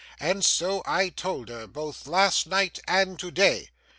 'And so I told her, both last night and today.